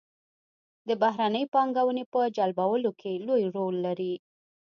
د بهرنۍ پانګونې په جلبولو کې لوی رول لري.